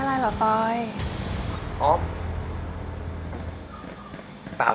ชื่อฟอยแต่ไม่ใช่แฟง